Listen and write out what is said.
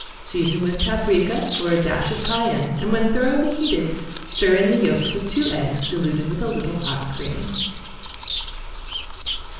Season with paprika or a dash of cayenne, and when thoroughly heated stir in the yolks of two eggs, diluted with a little hot cream.